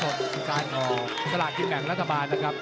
รอดสดสารห่อสลากกินแห่งรัฐบาลนะครับ